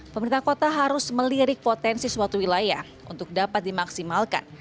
pemerintah kota harus melirik potensi suatu wilayah untuk dapat dimaksimalkan